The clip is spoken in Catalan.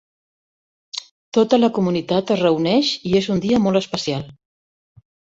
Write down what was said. Tota la comunitat es reuneix i és un dia molt especial.